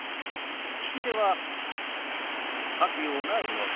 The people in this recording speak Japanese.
利き手は書くような動き。